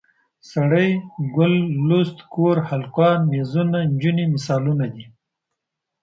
سړی، ګل، لوست، کور، هلکان، میزونه، نجونې مثالونه دي.